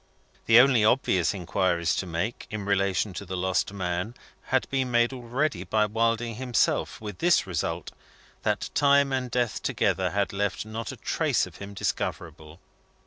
The only obvious inquiries to make, in relation to the lost man, had been made already by Wilding himself; with this result, that time and death together had not left a trace of him discoverable.